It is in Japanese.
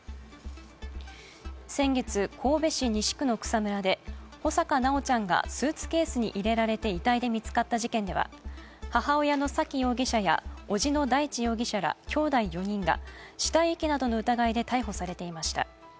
先月、神戸市西区の草むらで穂坂修ちゃんがスーツケースに入れられて遺体で見つかった事件では母親の沙喜容疑者やおじの大地容疑者らきょうだい４人が死体遺棄などの疑いで逮捕されていました。